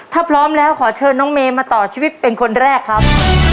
ถ้าพร้อมแล้วขอเชิญน้องเมย์มาต่อชีวิตเป็นคนแรกครับ